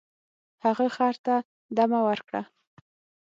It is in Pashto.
هغه خر ته دمه ورکړه.